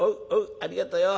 ありがとよ。